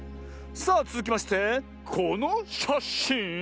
さあつづきましてこのしゃしん。